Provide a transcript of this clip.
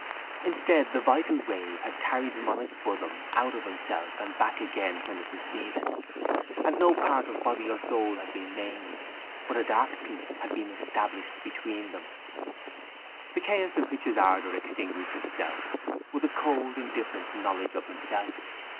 Instead the vital wave had carried him on its bosom out of himself and back again when it receded: and no part of body or soul had been maimed but a dark peace had been established between them. The chaos in which his ardour extinguished itself was a cold indifferent knowledge of himself.